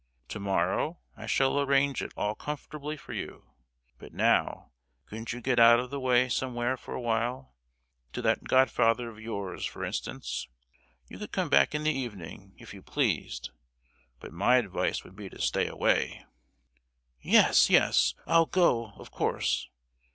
To morrow I shall arrange it all comfortably for you: but now, couldn't you get out of the way somewhere for a while, to that godfather of yours, for instance? You could come back in the evening, if you pleased; but my advice would be to stay away!" "Yes, yes! I'll go—of course!